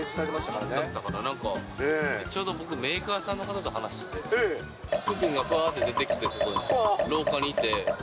なんか、ちょうど僕、メーカーさんと話してて、福君がぱーっと出てきて、そこに、廊下にいて。